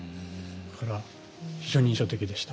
だから非常に印象的でした。